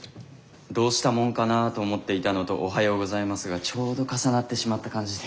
「どうしたもんかなぁ」と思っていたのと「おはようございます」がちょうど重なってしまった感じで。